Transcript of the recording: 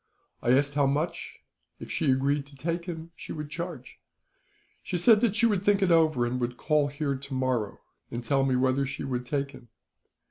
I asked how much, if she agreed to take him, she would charge. She said that she would think it over; and would call here, tomorrow, and tell me whether she would take him.